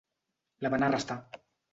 La van arrestar.